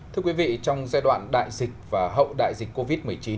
thưa quý vị trong giai đoạn đại dịch và hậu đại dịch covid một mươi chín